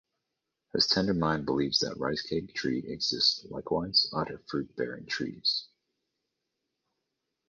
His tender mind believes that rice cake tree exists likewise other fruit bearing trees.